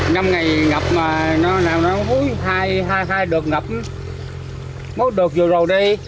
năm này ngập mà nó làm nó vui hai đợt ngập một đợt vừa đầu đây